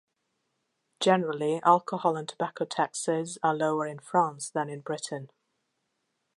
Generally, alcohol and tobacco taxes are lower in France than in Britain.